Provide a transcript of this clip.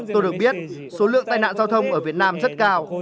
tôi được biết số lượng tai nạn giao thông ở việt nam rất cao